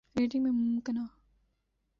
rating میں ممکنہ